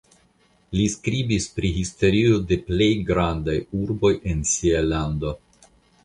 Li skribis pri historio de plej grandaj urboj en sia lando.